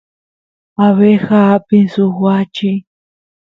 abeja apin suk wachi